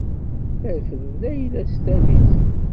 Terfed Layla s tadist.